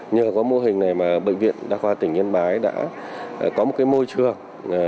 nhờ có mô hình này mà bệnh viện đa khoa tỉnh yên bái đã có một môi trường